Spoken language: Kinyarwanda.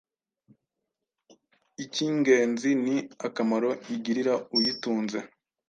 icy'ingenzi ni akamaro igirira uyitunze.